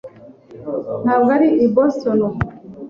ntabwo ari i Boston ubu.